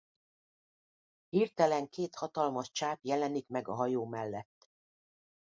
Hirtelen két hatalmas csáp jelenik meg a hajó mellett.